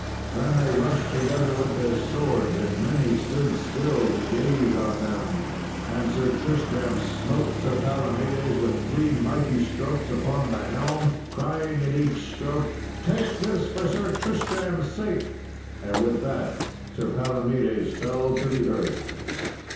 Then they rushed together with their swords, and many stood still to gaze on them. And Sir Tristram smote Sir Palomedes with three mighty strokes upon the helm, crying at each stroke, "Take this for Sir Tristram's sake," and with that Sir Palomedes fell to the earth.